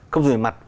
không dùng tiền mặt